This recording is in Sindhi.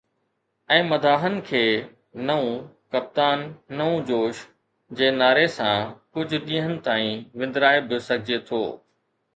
۽ مداحن کي ”نئون ڪپتان، نئون جوش“ جي نعري سان ڪجهه ڏينهن تائين وندرائي به سگهجي ٿو.